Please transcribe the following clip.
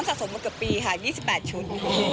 สะสมมาเกือบปีค่ะ๒๘ชุด